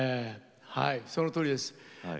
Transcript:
そのとおりです。